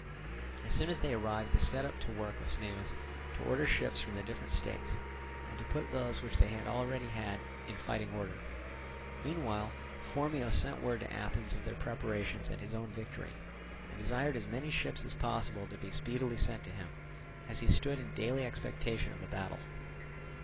As soon as they arrived they set to work with Cnemus to order ships from the different states, and to put those which they already had in fighting order. Meanwhile Phormio sent word to Athens of their preparations and his own victory, and desired as many ships as possible to be speedily sent to him, as he stood in daily expectation of a battle.